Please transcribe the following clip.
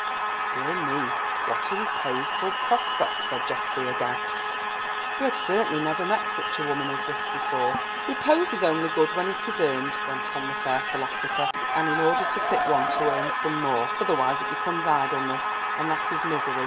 "Dear me, what a reposeful prospect," said Geoffrey, aghast. He had certainly never met such a woman as this before. "Repose is only good when it is earned," went on the fair philosopher, "and in order to fit one to earn some more, otherwise it becomes idleness, and that is misery.